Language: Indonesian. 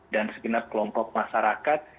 dan segenap kelompok masyarakat